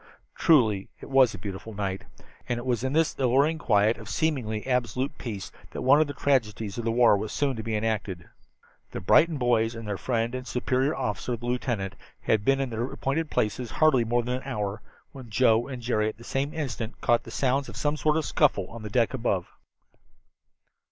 Truly it was a beautiful night. And it was in this alluring quiet of seemingly absolute peace that one of the tragedies of war soon was to be enacted. The Brighton boys and their friend and superior officer, the lieutenant, had been in their appointed places hardly more than an hour when Joe and Jerry at the same instant caught the sounds of some sort of scuffle on the deck above.